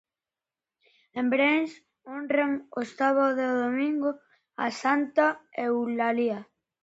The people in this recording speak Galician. En Brens honran o sábado e o domingo a santa Eulalia.